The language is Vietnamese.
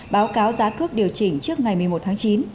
báo cáo giá cước điều chỉnh trước ngày một mươi một tháng chín